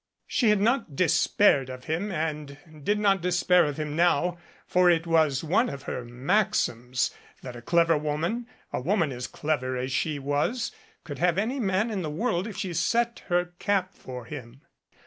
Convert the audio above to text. She had not despaired of him and did not despair of him now, for it was one of her maxims that a clever woman a woman as clever as she was could have any man in the world if she set her cap for him.